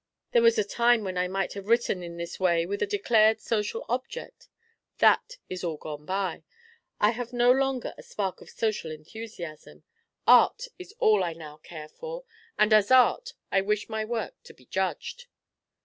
There was a time when I might have written in this way with a declared social object. That is all gone by. I have no longer a spark of social enthusiasm. Art is all I now care for, and as art I wish my work to be judged."